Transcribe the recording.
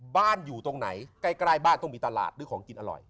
บ้านอยู่ตรงไหนใกล้บ้านต้องมีตลาดหรือของกินอร่อย